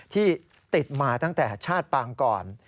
ที่ติดมาตั้งแต่ชาติปางก่อน